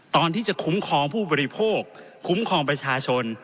ตอนที่จะคุ้มครองผู้บริโภคคุ้มครองประชาชน